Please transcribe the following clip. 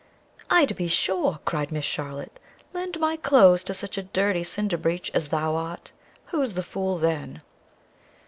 "Ay, to be sure!" cried Miss Charlotte, "lend my cloaths to such a dirty Cinder breech as thou art; who's the fool then?"